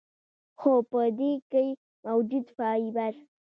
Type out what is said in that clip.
خو پۀ دې کښې موجود فائبر ،